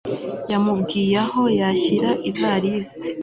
yamubwiye aho yashyira ivalisi